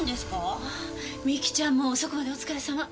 あ美貴ちゃんも遅くまでお疲れさま。